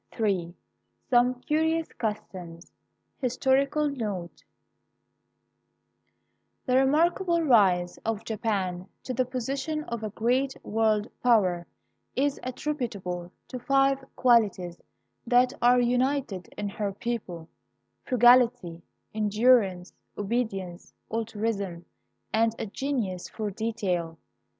Ill SOME CURIOUS CUSTOMS HISTORICAL NOTE The remarkable rise of Japan to the position of a great world power is attributable to five qualities that are united in her people: — frugahty, endurance, obedience, altruism, and a genius for detail.